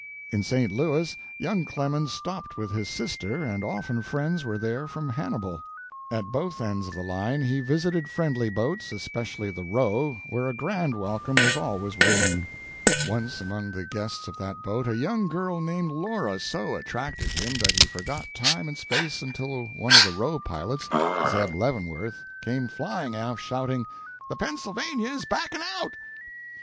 In St. Louis, young Clemens stopped with his sister, and often friends were there from Hannibal. At both ends of the line he visited friendly boats, especially the "Roe," where a grand welcome was always waiting. Once among the guests of that boat a young girl named Laura so attracted him that he forgot time and space until one of the "Roe" pilots, Zeb Leavenworth, came flying aft, shouting: "The 'Pennsylvania' is backing out!"